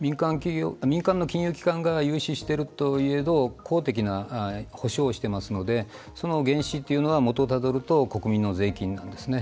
民間の金融機関が融資しているといえど公的な補償をしていますのでその原資っていうのは元をたどると国民の税金なんですね。